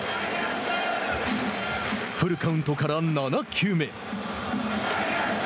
フルカウントから７球目。